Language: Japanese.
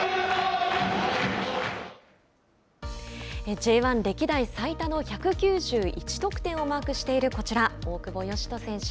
Ｊ１歴代最多の１９１得点をマークしているこちら、大久保嘉人選手。